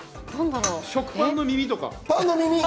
食パンの耳とか？